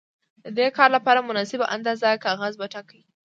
د دې کار لپاره مناسبه اندازه کاغذ وټاکئ.